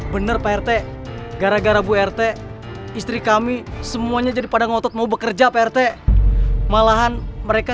bener prt gara gara bu rt istri kami semuanya jadi pada ngotot mau bekerja prt malahan mereka